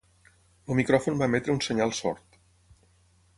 El micròfon va emetre un senyal sord.